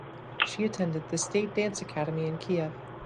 She attended the State Dance Academy in Kiev.